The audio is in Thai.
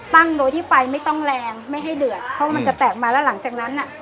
โดยที่ไฟไม่ต้องแรงไม่ให้เดือดเพราะว่ามันจะแตกมาแล้วหลังจากนั้นอ่ะ